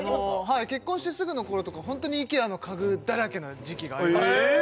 結婚してすぐのころとかホントにイケアの家具だらけの時期がありましてええ